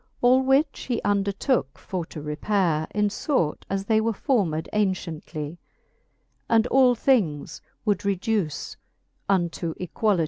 All which he undertooke for to repaire, In fort as they were formed aunciently ; And all things would reduce unto equality.